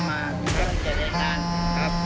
ไม่ได้ยินใจในการครับ